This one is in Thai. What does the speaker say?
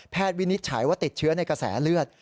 วินิจฉัยว่าติดเชื้อในกระแสเลือด